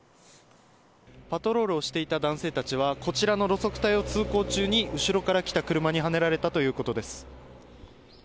パトロールをしていた男性たちは、こちらの路側帯を通行中に後ろから来た車にはねられたということです。